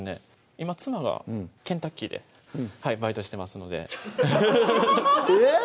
今妻がケンタッキーでバイトしてますのでえぇ？